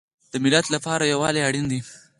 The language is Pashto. د ملت لپاره یووالی اړین دی